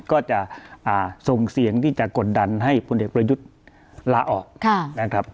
ก็จะส่งเสียงที่จะกดดันให้พลเอกประยุทธ์ลาออกนะครับ